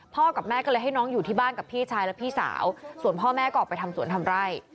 กับแม่ก็เลยให้น้องอยู่ที่บ้านกับพี่ชายและพี่สาวส่วนพ่อแม่ก็ออกไปทำสวนทำไร่